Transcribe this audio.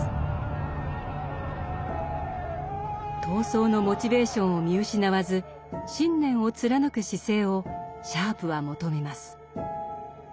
闘争のモチベーションを見失わず信念を貫く姿勢をシャープは求めます。